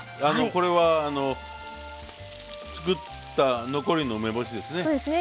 これは作った残りの梅干しですね。